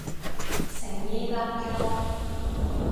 誠意搭救